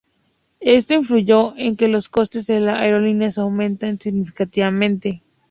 Esto influyó en que los costes de las aerolíneas aumentaran significativamente.